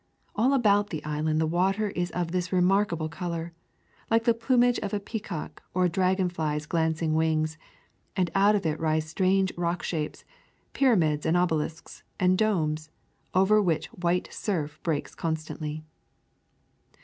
All about the island the water is of this remarkable color, like the plumage of a peacock or a dragonfly's glancing wings, and out of it rise strange rock shapes, pyramids and obelisks and domes, over which white surf breaks constantly.